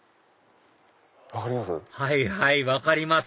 分かります？